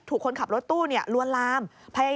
โดดลงรถหรือยังไงครับ